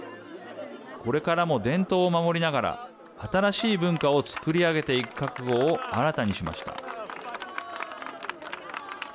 これからも伝統を守りながら新しい文化をつくり上げていく覚悟を新たにしました。